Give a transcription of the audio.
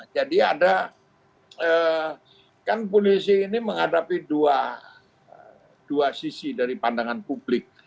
jadi ada kan polisi ini menghadapi dua sisi dari pandangan publik